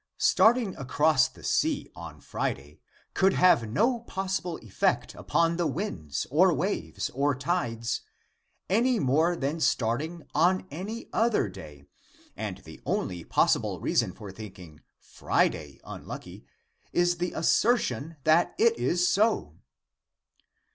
Starting across the sea on Friday could have no possible effect upon the winds, or waves, or tides, any more than starting on any other day, and the only possible reason for thinking Friday unlucky is the assertion that it is so.